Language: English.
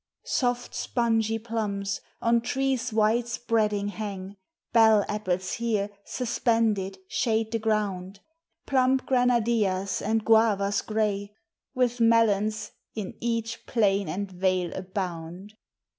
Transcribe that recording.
Soft, spongy plums on trees wide spreading hang; Bell apples here, suspended, shade the ground; Plump granadillas and guavas gray, With melons, in each plain and vale abound.